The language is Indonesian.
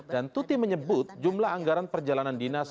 dan tuti menyebut jumlah anggaran perjalanan dinas